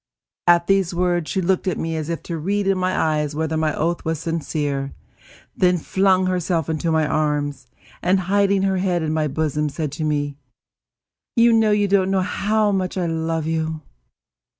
At these words she looked at me as if to read in my eyes whether my oath was sincere; then flung herself into my arms, and, hiding her head in my bosom, said to me: "You don't know how much I love you!"